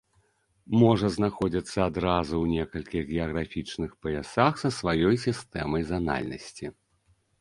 Можа знаходзіцца адразу ў некалькіх геаграфічных паясах са сваёй сістэмай занальнасці.